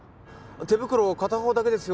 手袋片方だけですよ